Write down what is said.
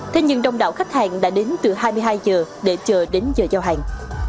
thế nhưng đông đảo khách hàng đã đến từ hai mươi hai giờ để chờ đến giờ giao hàng